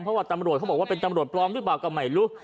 เพราะว่าตำรวจเขาบอกว่าเป็นตำรวจปลอมหรือเปล่าก็ไม่รู้